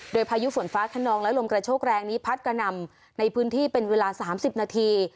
โดยพายุฝนฟ้าขนองและลมกระโชกแรงนี้พัดกระหน่ำในพื้นที่เป็นเวลา๓๐นาที